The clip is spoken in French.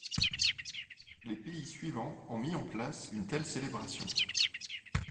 Les pays suivants ont mis en place une telle célébration.